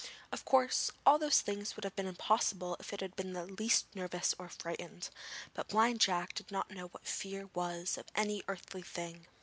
Of course, all those things would have been impossible if he had been the least nervous or frightened, but Blind Jack did not know what fear was of any earthly thing.